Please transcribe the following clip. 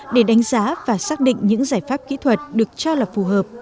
để đánh giá và xác định những giải pháp kỹ thuật được cho là phù hợp